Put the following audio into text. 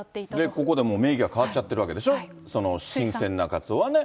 ここでもう名義が変わっちゃってるわけでしょ、その新鮮なカツオはね。